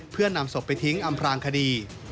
เพื่อนำศพไปทิ้งอำพลางคดี